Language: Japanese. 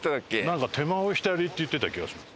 なんか手前を左って言ってた気がします。